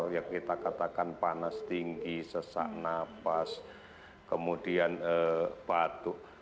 yang kita katakan panas tinggi sesak nafas kemudian batuk